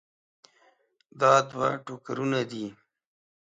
دا دوه ټوکرونه دي.